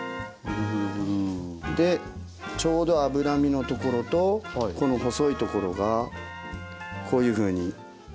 ちょうど脂身のところとこの細いところがこういうふうにまっすぐになるんです。